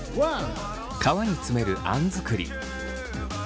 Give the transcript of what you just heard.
皮に詰めるあん作り。